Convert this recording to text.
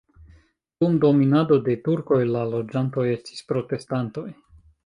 Dum dominado de turkoj la loĝantoj estis protestantoj.